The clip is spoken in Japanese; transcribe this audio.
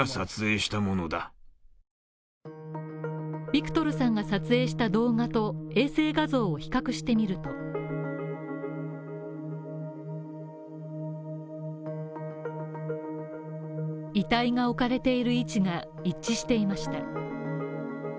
ビクトルさんが撮影した動画と衛星画像を比較してみると遺体が置かれている位置が一致していました。